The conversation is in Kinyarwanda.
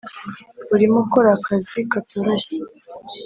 urimo ukora akazi katoroshye